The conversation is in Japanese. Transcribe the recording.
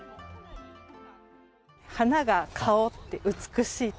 花が香って美しいと。